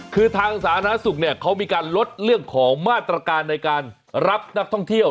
คือทางสาธารณสุขเนี่ยเขามีการลดเรื่องของมาตรการในการรับนักท่องเที่ยว